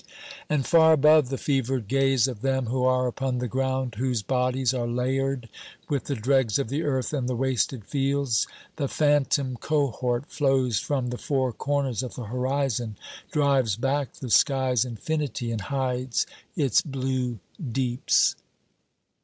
And far above the fevered gaze of them who are upon the ground, whose bodies are layered with the dregs of the earth and the wasted fields, the phantom cohort flows from the four corners of the horizon, drives back the sky's infinity and hides its blue deeps.